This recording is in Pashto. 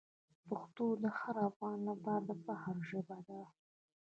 پښتو د هر افغان لپاره د فخر ژبه ده.